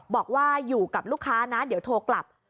บอกว่าอยู่กับลูกค้านะเดี๋ยวโทรกลับ